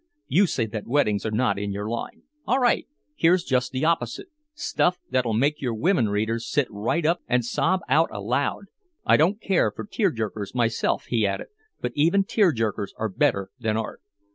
You say that weddings are not in your line all right, here's just the opposite stuff that'll make your women readers sit right up and sob out aloud! I don't care for tear jerkers myself," he added. "But even tear jerkers are better than Art."